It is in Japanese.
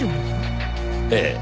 ええ。